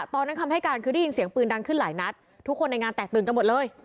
คำให้การคือได้ยินเสียงปืนดังขึ้นหลายนัดทุกคนในงานแตกตื่นกันหมดเลย